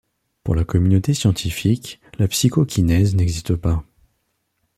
Pour la communauté scientifique, la psychokinèse n'existe pas.